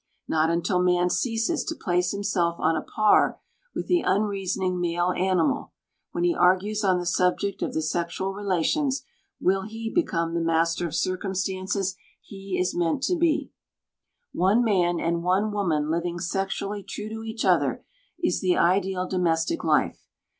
Not until man ceases to place himself on a par with the unreasoning male animal, when he argues on the subject of the sexual relations, will he become the master of circumstance he is meant to be. One man and one woman living sexually true to each other is the ideal domestic life.